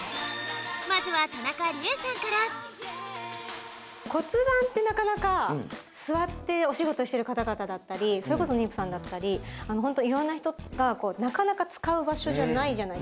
まずは田中理恵さんからこつばんってなかなかすわっておしごとしているかたがただったりそれこそにんぷさんだったりホントいろんなひとがなかなかつかうばしょじゃないじゃないですか。